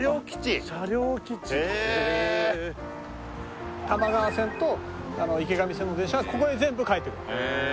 へえ車両基地へえ多摩川線と池上線の電車がここへ全部帰ってくるへえ